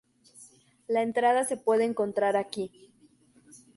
La entrada se puede encontrar aquí.